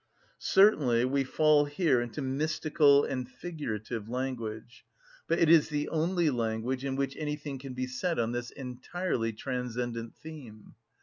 Certainly we fall here into mystical and figurative language, but it is the only language in which anything can be said on this entirely transcendent theme.